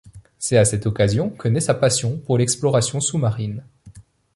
C'est à cette occasion que nait sa passion pour l'exploration sous-marine.